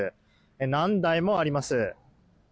何台もあります。